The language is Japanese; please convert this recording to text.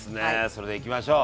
それではいきましょう！